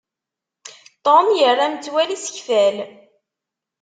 Tom yerra metwal isekfal.